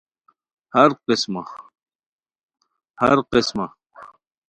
ہر قسمہ